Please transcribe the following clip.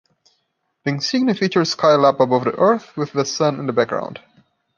The insignia features Skylab above the earth with the sun in the background.